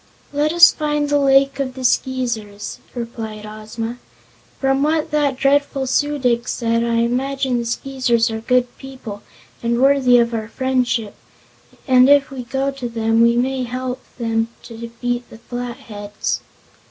"Let us find the Lake of the Skeezers," replied Ozma. "From what that dreadful Su dic said I imagine the Skeezers are good people and worthy of our friendship, and if we go to them we may help them to defeat the Flatheads."